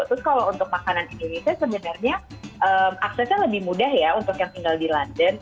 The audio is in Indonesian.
terus kalau untuk makanan indonesia sebenarnya aksesnya lebih mudah ya untuk yang tinggal di london